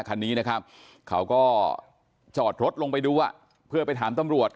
คันนี้นะครับเขาก็จอดรถลงไปดูอ่ะเพื่อไปถามตำรวจ